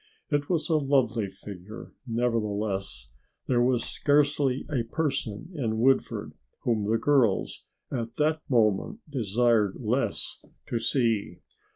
It was a lovely figure, nevertheless, there was scarcely a person in Woodford whom the girls at this moment desired less to see.